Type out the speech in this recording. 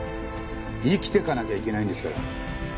生きていかなきゃいけないんですから！